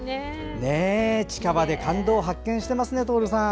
近場で感動を発見してますね徹さん。